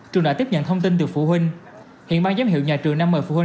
trường đã tiếp nhận thông tin từ phụ huynh hiện bang giám hiệu nhà trường đã mời phụ huynh